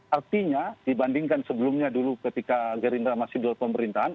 artinya dibandingkan sebelumnya dulu ketika gerindra masih di luar pemerintahan